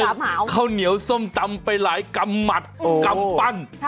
ข้าวเหนียวส้มตำไปหลายกำหมัดกำปั้น